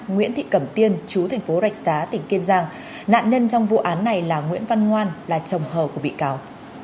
nguyễn thị cẩm tiên chú thành phố rạch giá tỉnh kiên giang nạn nhân trong vụ án này là nguyễn văn ngoan là chồng hờ của bị cáo